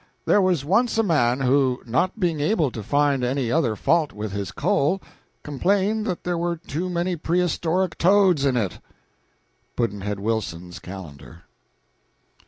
There was once a man who, not being able to find any other fault with his coal, complained that there were too many prehistoric toads in it. Pudd'nhead Wilson's Calendar.